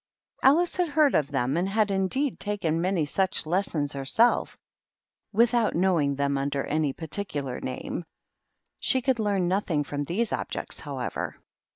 Alice had heard of them, and had, indeed, taken many such lessons herself, without knowing them under any particular name. She could leam nothing from these objects, however.